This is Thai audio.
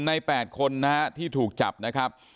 ใน๘คนนะฮะที่ถูกจับนะครับ